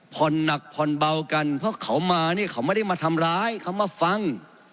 หนักผ่อนเบากันเพราะเขามาเนี่ยเขาไม่ได้มาทำร้ายเขามาฟัง